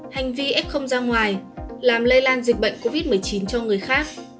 hành vi f ra ngoài làm lây lan dịch bệnh covid một mươi chín cho người khác